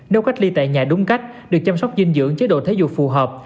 nếu cách ly tại nhà đúng cách được chăm sóc dinh dưỡng chế độ thể dục phù hợp